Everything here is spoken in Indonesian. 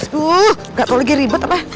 duh gak tau lagi ribet apa